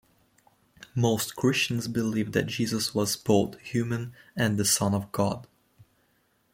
Most Christians believe that Jesus was both human and the Son of God.